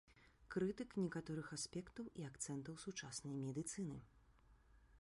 Крытык некаторых аспектаў і акцэнтаў сучаснай медыцыны.